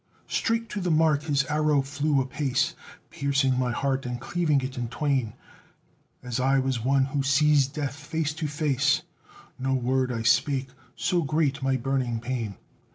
Straight to the mark his arrow flew apace Piercing my heart and cleaving it in twain; I was as one who sees Death face to face; No word I spake so great my burning pain.